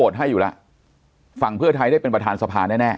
ให้อยู่แล้วฝั่งเพื่อไทยได้เป็นประธานสภาแน่แน่